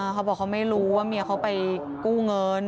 เขาบอกเขาไม่รู้ว่าเมียเขาไปกู้เงิน